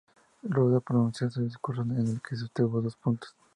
Ruda pronunció un discurso en el que sostuvo dos puntos.